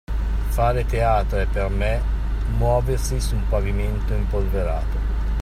Fare teatro è per me:Muoversi su un pavimento impolverato.